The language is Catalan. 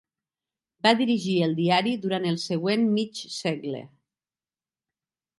Va dirigir el diari durant el següent mig segle.